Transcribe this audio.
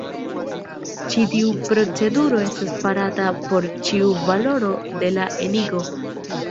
Ĉi tiu proceduro estas farata por ĉiu valoro de la enigo.